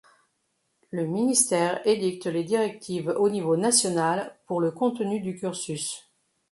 Le Ministère édicte les directives au niveau national pour le contenu du cursus.